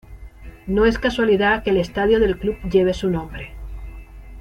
No es casualidad que el estadio del club lleve su nombre.